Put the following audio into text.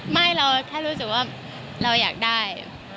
ไม่เราแค่รู้สึกว่าเราอยากได้